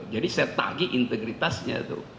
jadi saya tagih integritasnya